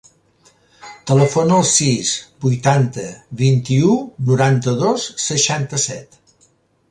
Telefona al sis, vuitanta, vint-i-u, noranta-dos, seixanta-set.